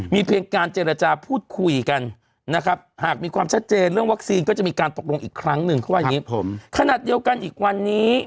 มีเพียงการเจรจาพูดคุยกัน